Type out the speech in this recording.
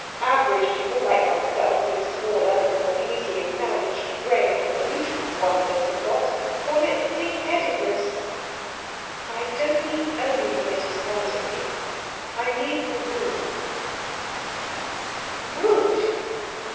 Average people like myself, with smaller and more easily managed brains than you two wonders have got, call it pigheadedness." "I don't mean only for Letty's holidays; I mean for good." "For good?"